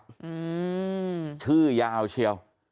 อืมชื่อยาวเชียว